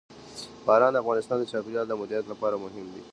باران د افغانستان د چاپیریال د مدیریت لپاره مهم دي.